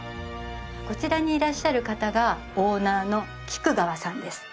こちらにいらっしゃる方がオーナーの菊川さんです